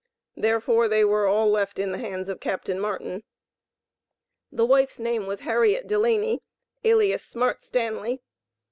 Therefore they were all left in the hands of Capt. Martin. The wife's name was Harriet Delaney, alias Smart Stanley.